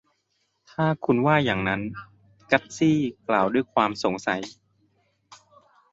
ถ้าคุณว่าอย่างนั้น กัสซี่กล่าวด้วยความสงสัย